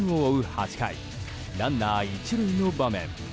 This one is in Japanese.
８回ランナー１塁の場面。